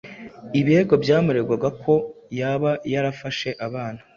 ibirego byamuregwaga ko yaba yarafashe abana